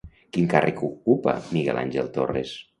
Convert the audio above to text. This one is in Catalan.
Quin càrrec ocupa Miguel Ángel Torres?